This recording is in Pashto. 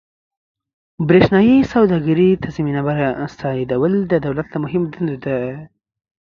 برېښنايي سوداګرۍ ته زمینه مساعدول د دولت له مهمو دندو دي.